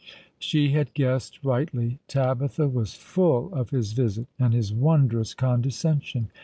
She had guessed rightly. Tabitha was full of his visit, and his wondrous condescension.